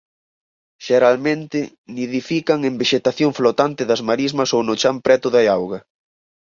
Xeralmente nidifican en vexetación flotante das marismas ou no chan preto da auga.